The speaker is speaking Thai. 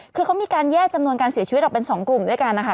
คือเขามีการแยกจำนวนการเสียชีวิตออกเป็น๒กลุ่มด้วยกันนะคะ